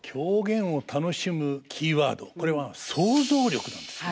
これは想像力なんですね。